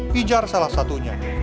pijar salah satunya